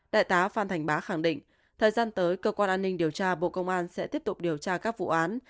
đại tá phan thành bá khẳng định thời gian tới cơ quan an ninh điều tra bộ công an sẽ tiếp tục điều tra các vụ án